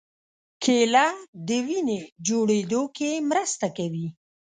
کېله د وینې جوړېدو کې مرسته کوي.